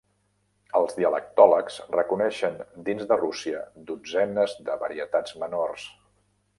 Els dialectòlegs reconeixen dins de Rússia dotzenes de varietats menors.